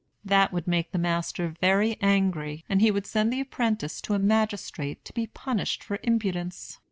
That would make the master very angry, and he would send the apprentice to a magistrate to be punished for impudence.